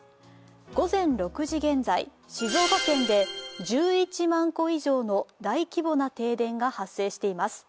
午前６時現在、静岡県で１１万戸以上の大規模な停電が発生しています。